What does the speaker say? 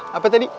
hah apa tadi